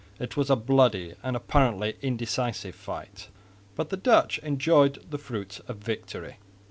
It was a bloody and apparently indecisive fight, but the Dutch enjoyed the fruits of victory.